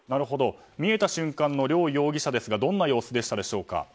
見えた瞬間の両容疑者ですがどんな様子でしたでしょうか。